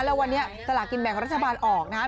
แล้ววันนี้ตลาดกินแบบของรัฐบาลออกนะฮะ